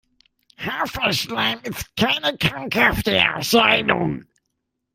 Haferschleim ist keine krankhafte Erscheinung.